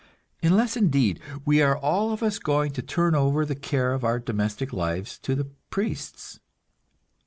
Unless, indeed, we are all of us going to turn over the care of our domestic lives to the priests!